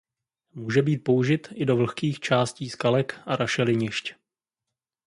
Může být použit i do vlhkých částí skalek a rašelinišť.